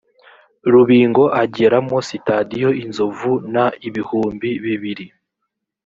rubingo ageramo sitadiyo inzovu n ibihumbi bibiri